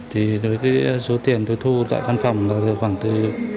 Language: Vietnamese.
thì số tiền tôi thu tại văn phòng là khoảng từ